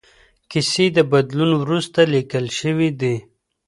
کیسې د بدلون وروسته لیکل شوې دي.